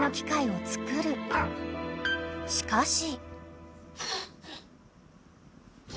［しかし］